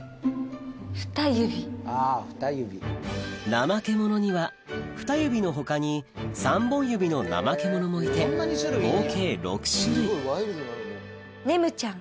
ナマケモノには２指の他に３本指のナマケモノもいて合計６種類ネムちゃん